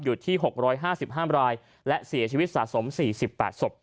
อยู่ที่๖๕๕รายและเสียชีวิตสะสม๔๘ศพ